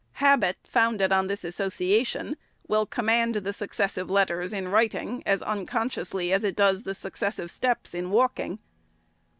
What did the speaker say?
Habit, founded on this association, will command the successive letters in writ ing, as unconsciously as it does successive steps in walk ing.